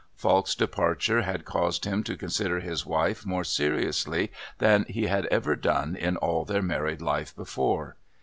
Falk's departure had caused him to consider his wife more seriously than he had ever done in all their married life before.